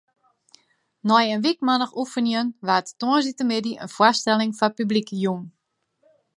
Nei in wykmannich oefenjen waard tongersdeitemiddei in foarstelling foar publyk jûn.